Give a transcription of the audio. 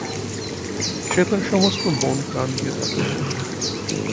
সে তার সমস্ত মনপ্রাণ দিয়ে তা করে।